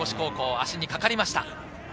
足にかかりました。